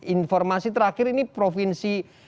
informasi terakhir ini provinsi